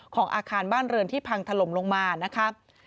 ของอาคารบ้านเรือนที่พังถล่มลงมานะครับ